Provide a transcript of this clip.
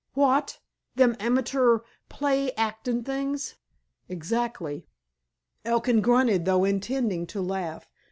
"Wot! Them amatoor play hactin' things?" "Exactly." Elkin grunted, though intending to laugh.